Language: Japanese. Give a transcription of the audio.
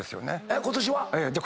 今年は？